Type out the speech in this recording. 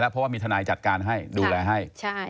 เพราะว่ามีทนายจัดการให้ดูแลให้